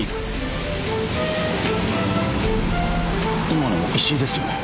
今の石井ですよね。